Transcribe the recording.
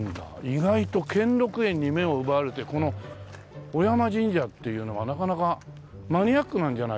意外と兼六園に目を奪われてこの尾山神社っていうのはなかなかマニアックなんじゃないですか？